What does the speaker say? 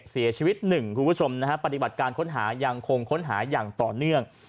เสียชีวิตหนึ่งคุณผู้ชมนะฮะปฏิบัติการค้นหายังคงค้นหาอย่างต่อเนื่อง